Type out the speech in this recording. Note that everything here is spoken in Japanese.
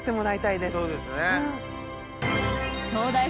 そうですね。